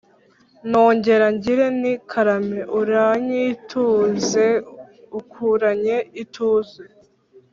Nongere ngire nti karame uranyituze ukuranye ituze